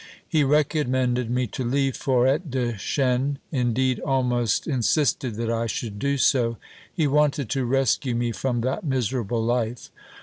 He recommended me to leave Forêtdechêne indeed, almost insisted that I should do so. He wanted to rescue me from that miserable life.